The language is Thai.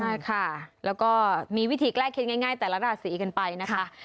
ใช่ค่ะแล้วก็มีวิธีแก้เคล็ดง่ายแต่ละราศีกันไปนะคะ